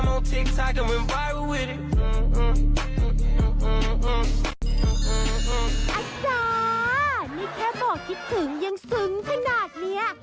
ไม่แค่บอกคิดถึงยังสึงขนาดนี้